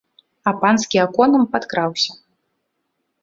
А панскі аконам падкраўся.